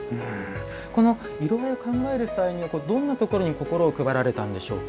この色合いを考える際にどんなところに心を配られたんでしょうか。